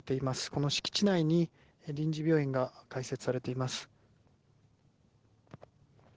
この敷地内に臨時病院が開設されています。